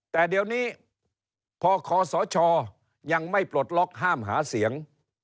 แต่เดี๋ยวนี้พอคศยังไม่ปลดล็อกห้ามหาเสียง